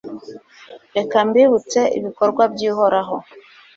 reka mbibutse ibikorwa by'uhoraho